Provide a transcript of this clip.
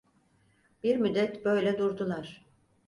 Bir müddet böyle durdular.